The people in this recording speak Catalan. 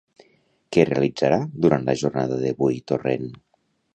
Què realitzarà, durant la jornada d'avui, Torrent?